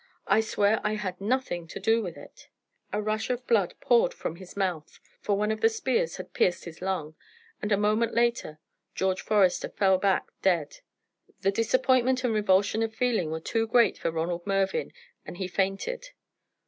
I swear I had nothing to do with it." A rush of blood poured from his mouth, for one of the spears had pierced his lung, and a moment later George Forester fell back dead. The disappointment and revulsion of feeling were too great for Ronald Mervyn, and he fainted.